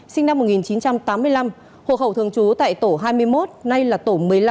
dương văn thao sinh năm một nghìn chín trăm tám mươi năm hộ khẩu thường trú tại tổ hai mươi một nay là tổ một mươi năm